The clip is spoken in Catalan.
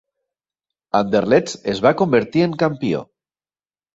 Anderlecht es va convertir en campió.